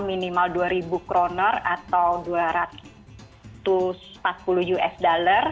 minimal dua ribu kronor atau dua ratus empat puluh usd